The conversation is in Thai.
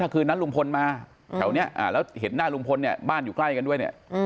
คืนนั้นลุงพลมาแถวนี้แล้วเห็นหน้าลุงพลเนี่ยบ้านอยู่ใกล้กันด้วยเนี่ย